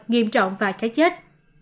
nghiêm trọng và khá chết